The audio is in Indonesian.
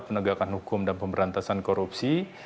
penegakan hukum dan pemberantasan korupsi